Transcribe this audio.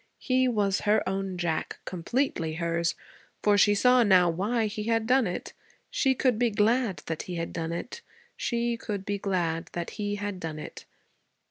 He was her own Jack, completely hers, for she saw now why he had done it; she could be glad that he had done it; she could be glad that he had done it.